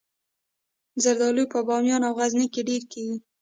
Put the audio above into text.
زردالو په بامیان او غزني کې ډیر کیږي